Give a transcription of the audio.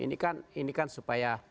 ini kan supaya